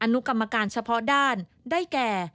นุกรรมการเฉพาะด้านได้แก่